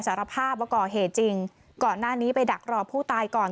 สารภาพว่าก่อเหตุจริงก่อนหน้านี้ไปดักรอผู้ตายก่อน